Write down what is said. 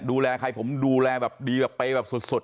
ดูแลใครผมดูแลแบบดีแบบไปแบบสุด